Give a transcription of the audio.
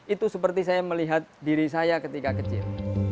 itu seperti saya melihat diri saya ketika kecil